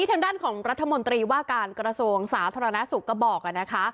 ทางด้านของรัฐมนตรีว่าการกระทรวงสาธารณสุขก็บอกนะคะ